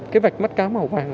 cái vạch mắt cáo màu vàng